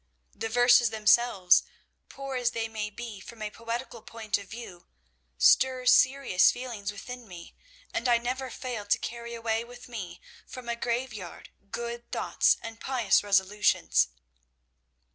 The verses themselves, poor as they may be from a poetical point of view, stir serious feelings within me, and I never fail to carry away with me from a graveyard good thoughts and pious resolutions.